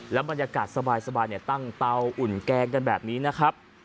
บรรยากาศสบายตั้งเตาอุ่นแกงกันแบบนี้นะครับ